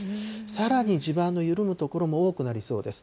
さらに地盤の緩む所も多くなりそうです。